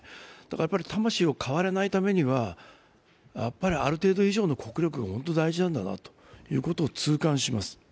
魂を買われないためにはある程度以上の国力が大事なんだなと痛感します。